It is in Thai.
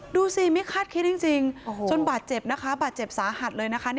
ดูสิไม่คาดคิดจริงจนบาดเจ็บนะคะบาดเจ็บสาหัสเลยนะคะ